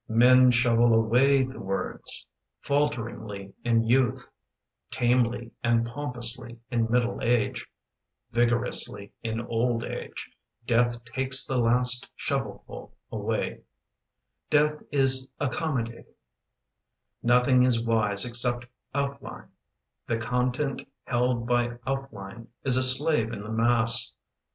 [*5] Men shovel away the words: Falteringly in youth; Tamely and pompously in middle age; Vigorously in old age. Death takes the last sho*>eJ fuII away: Nothing is wise except outline. The content held by outline Is a slave in the mass.